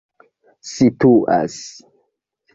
situas